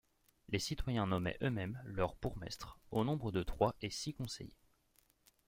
Les citoyens nommaient eux-mêmes leurs bourgmestres, au nombre de trois, et six conseillers.